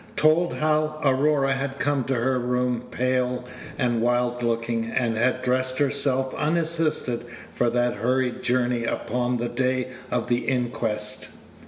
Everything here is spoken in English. told how Aurora had come to her room, pale and wild looking, and had dressed herself unassisted for that hurried journey upon the day of the inquest.